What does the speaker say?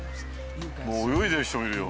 もう泳いでる人もいるよ